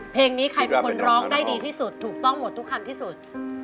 เพลงนี้ใครเป็นคนร้องได้ดีที่สุดถูกต้องหมดทุกคำที่สุด